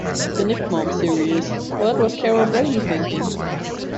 The NickMom series What Was Carol Brady Thinking?